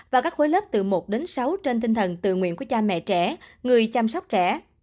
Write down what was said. và các khối lớp từ một đến sáu trên tinh thần tự nguyện của cha mẹ trẻ người chăm sóc trẻ